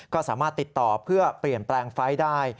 ก็สามารถติดต่อเพื่อเปลี่ยนแปลงไฟล์ได้